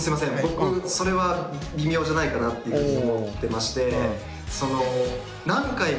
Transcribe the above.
僕それは微妙じゃないかなっていうふうに思ってまして。